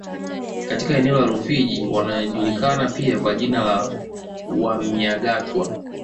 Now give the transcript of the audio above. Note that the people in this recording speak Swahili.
Katika eneo la Rufiji wanajulikana pia kwa jina la Wamyagatwa